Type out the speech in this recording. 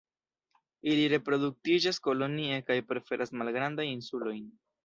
Ili reproduktiĝas kolonie kaj preferas malgrandajn insulojn.